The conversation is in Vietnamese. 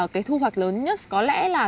cái thu hoạch lớn nhất có lẽ là